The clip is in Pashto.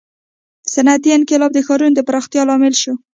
• صنعتي انقلاب د ښارونو د پراختیا لامل شو.